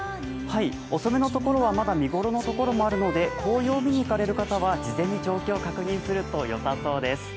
遅めの所はまだ見頃の所もあるので黄葉を見に行かれる方は事前に状況を確認するとよさそうです。